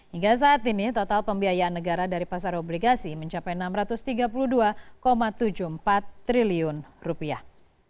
hingga saat ini total pembiayaan negara dari pasar obligasi mencapai enam ratus tiga puluh dua tujuh puluh empat triliun rupiah